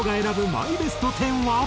マイベスト１０は。